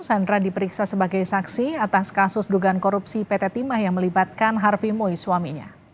sandra diperiksa sebagai saksi atas kasus dugaan korupsi pt timah yang melibatkan harvimoy suaminya